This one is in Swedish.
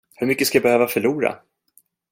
Hur mycket ska jag behöva förlora?